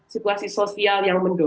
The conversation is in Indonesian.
situasi sosial yang menyebabkan